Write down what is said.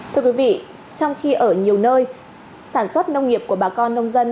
thưa quý vị trong khi ở nhiều nơi sản xuất nông nghiệp của bà con nông dân